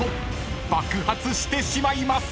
［爆発してしまいます］